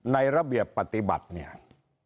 ในระเบียบปฏิบัติเนี่ย